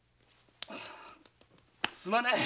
すまねえ！